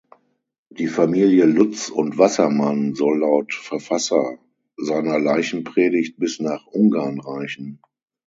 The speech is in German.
Die Familie Lutz und Wassermann soll laut Verfasser seiner Leichenpredigt bis nach Ungarn reichen.